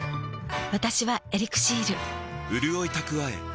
私は「エリクシール」